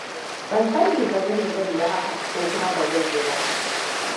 Ban sani ba Jami zai yi hakan ko kuma ba zai yi ba.